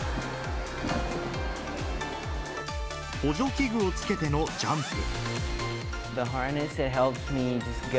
補助器具をつけてのジャンプ。